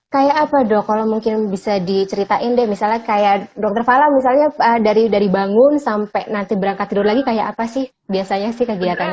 kayak apa dok kalau mungkin bisa diceritain deh misalnya kayak dokter fala misalnya dari bangun sampai nanti berangkat tidur lagi kayak apa sih biasanya sih kegiatannya